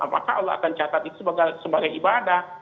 maka allah akan catat itu sebagai ibadah